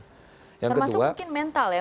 termasuk mungkin mental ya